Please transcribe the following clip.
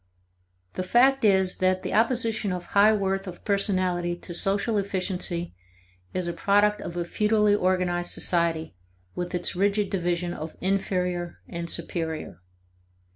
The fact is that the opposition of high worth of personality to social efficiency is a product of a feudally organized society with its rigid division of inferior and superior.